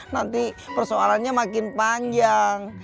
nanti persoalannya makin panjang